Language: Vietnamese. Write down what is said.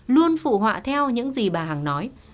luôn phụ họa theo những gì bà hằng nói